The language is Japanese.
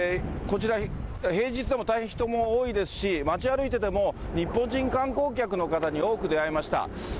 こちら、平日でも大変人も多いですし、街歩いてても、日本人観光客の方に多く出会いました。